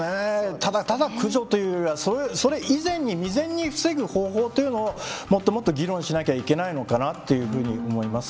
ただただ駆除というそれ以前に未然に防ぐ方法というのをもっともっと議論しなきゃいけないのかなっていうふうに思います。